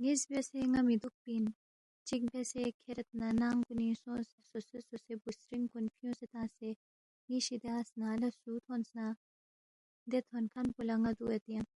نِ٘یس بیاسے ن٘ا مِہ دُوکپی اِن، چِک بیاسے کھیرید نہ ننگ کُنِنگ سونگسے سوسے سوسے بُوسترِنگ کُن فیُونگسے تنگسے ن٘ی شِدیا سنہ لہ سُو تھونس نہ دے تھون کھن پو لہ ن٘ا دُوگید ینگ